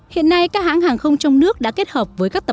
hiện nay các hãng hàng không trong nước đã kết hợp với các tập trung